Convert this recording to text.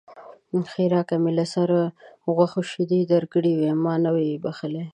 ښېرا: که به مې له سرو غوښو شيدې درکړې وي؛ ما نه يې بښلی.